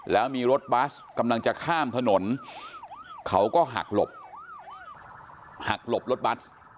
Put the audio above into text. แล้วมีรถบัสกำลังจะข้ามถนนเขาก็หักหลบหักหลบรถบัส